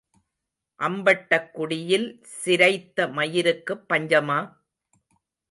அம்பட்டக் குடியில் சிரைத்த மயிருக்குப் பஞ்சமா?